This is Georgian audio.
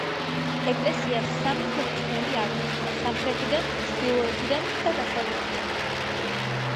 ეკლესიას სამი შესასვლელი აქვს: სამხრეთიდან, ჩრდილოეთიდან და დასავლეთიდან.